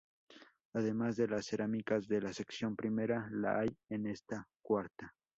Además de las cerámicas de la sección primera, la hay en esta cuarta.